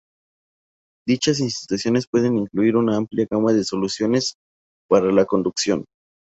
Dichas instituciones pueden incluir una amplia gama de soluciones para la conducción.